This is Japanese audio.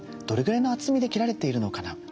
どれぐらいの厚みで切られているのかな？